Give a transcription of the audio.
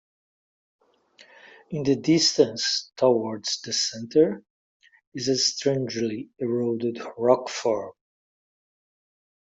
In the distance towards the center is a strangely eroded rock form.